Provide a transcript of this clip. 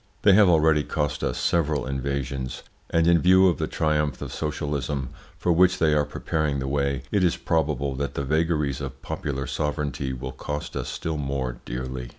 They have already cost us several invasions, and in view of the triumph of socialism, for which they are preparing the way, it is probable that the vagaries of popular sovereignty will cost us still more dearly.